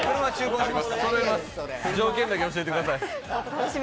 条件だけ教えてください。